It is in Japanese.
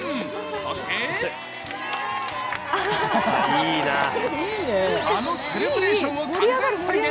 そしてあのセレブレーションを完全再現。